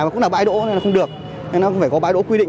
cũng là bãi đỗ nên không được nên nó không phải có bãi đỗ quy định